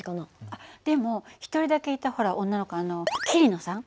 あっでも１人だけいたほら女の子あの桐野さん？